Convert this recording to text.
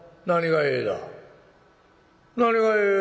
何が『え』だ。